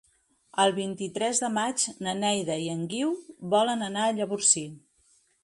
El vint-i-tres de maig na Neida i en Guiu volen anar a Llavorsí.